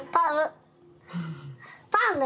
パン。